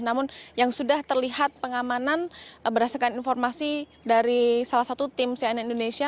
namun yang sudah terlihat pengamanan berdasarkan informasi dari salah satu tim cnn indonesia